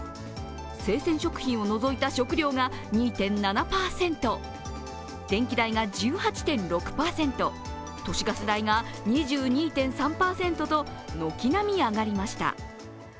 生鮮食品を除いた食料が２．７％、電気代が１８．６％都市ガス代が２．３％と軒並み上がりました。